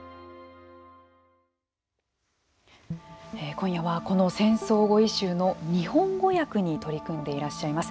今夜はこの「戦争語彙集」の日本語訳に取り組んでいらっしゃいます